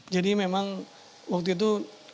jadi memang waktu itu